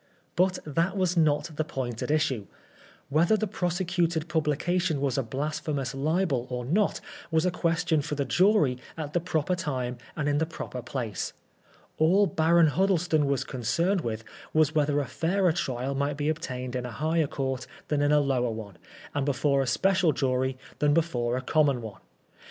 But that was not the point at issue. Whether the prosecuted publication was a blasphemous libel or not, was a question for the jury at the proper time and in the proper place. All Baron Huddleston was concerned with was whether a fairer trial might be obtained in a higher Court than in a lower one, and before a special jury than before a common one.